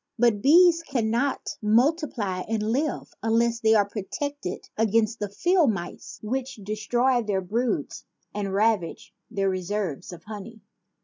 But bees cannot multiply and live unless they are protected against the field mice which destroy their broods and ravage their reserves of honey.